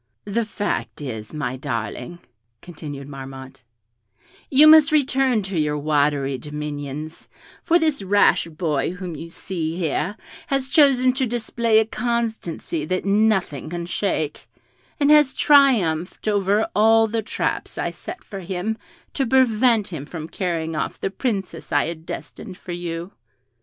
"The fact is, my darling," continued Marmotte, "you must return to your watery dominions, for this rash boy whom you see here has chosen to display a constancy that nothing can shake, and has triumphed over all the traps I set for him to prevent him from carrying off the Princess I had destined for you."